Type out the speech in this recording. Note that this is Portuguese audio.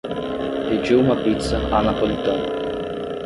Pediu uma pizza à napolitana